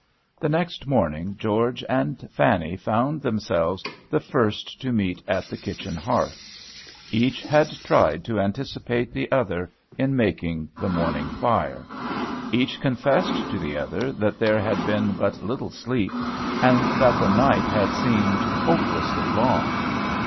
The next morning George and Fanny found themselves the first to meet at the kitchen hearth. Each had tried to anticipate the other in making the morning fire. Each confessed to the other that there had been but little sleep, and that the night had seemed hopelessly long.